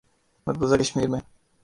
مقبوضہ کشمیر میں